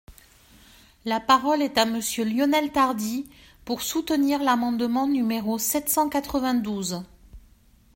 La parole est à Monsieur Lionel Tardy, pour soutenir l’amendement numéro sept cent quatre-vingt-douze.